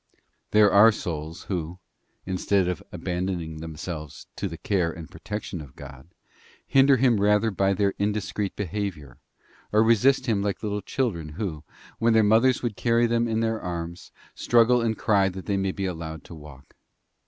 2. self wil, There are souls who, instead of abandoning themselves to the care and protection of God, hinder Him rather by their indiscreet behaviour, or resist Him like little children who, when their mothers would carry them in their arms, struggle * 'and cry that they may be allowed to walk.